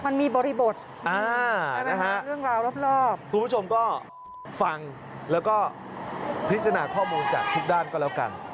บริบทเรื่องราวรอบคุณผู้ชมก็ฟังแล้วก็พิจารณาข้อมูลจากทุกด้านก็แล้วกัน